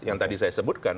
yang tadi saya sebutkan